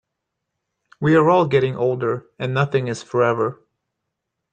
We are all getting older, and nothing is forever.